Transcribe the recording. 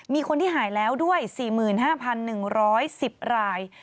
มีคนที่หายแล้วด้วย๔๕๑๑๐ราย